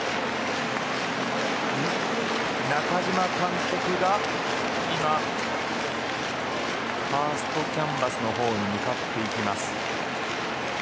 中嶋監督が今ファーストキャンバスのほうに向かっていきます。